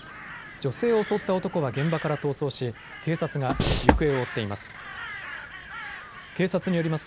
女性を襲った男は現場から逃走し警察が行方を追っています。